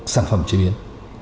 sản phẩm chế biến